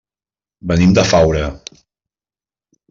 Venim de Faura.